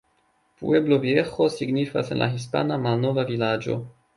Pueblo Viejo signifas en la hispana "Malnova vilaĝo".